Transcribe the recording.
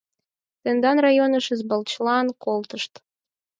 Тендан районыш избачлан колтышт.